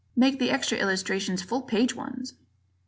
Make the extra illustrations full page ones.